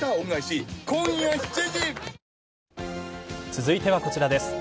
続いてはこちらです。